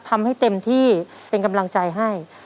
ทำให้เต็มที่เป็นกำลังใจให้